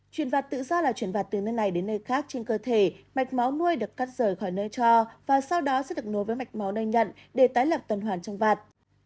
chuyển vặt tự do là chuyển vặt từ nơi này đến nơi khác trên cơ thể mạch máu nuôi được cắt rời khỏi nơi cho và sau đó sẽ được nối với mạch máu nơi nhận để tái lập tần hoàn trong vặt